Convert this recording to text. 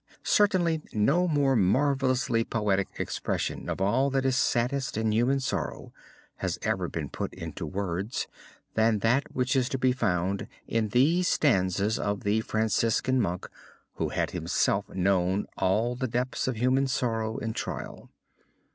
Certainly no more marvelously poetic expression of all that is saddest in human sorrow has ever been put into words, than that which is to be found in these stanzas of the Franciscan Monk who had himself known all the depths of human sorrow and trial.